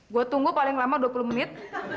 gue tunggu paling lama dua puluh menit